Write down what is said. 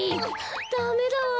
ダメだわ。